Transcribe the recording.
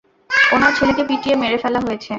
উনার ছেলেকে পিটিয়ে মেরে ফেলা হয়েছে।